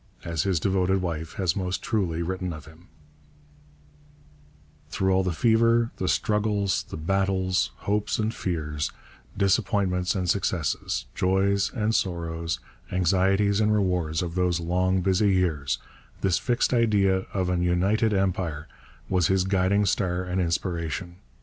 As his devoted wife has most truly written of him: Through all the fever, the struggles, the battles, hopes and fears, disappointments and successes, joys and sorrows, anxieties and rewards of those long busy years, this fixed idea of an united Empire was his guiding star and inspiration.